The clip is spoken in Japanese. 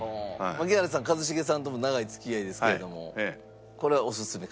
槙原さん一茂さんとも長い付き合いですけれどもこれはおすすめ？